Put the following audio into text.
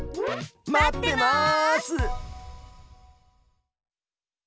待ってます！